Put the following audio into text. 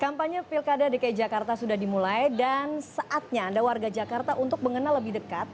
kampanye pilkada dki jakarta sudah dimulai dan saatnya anda warga jakarta untuk mengenal lebih dekat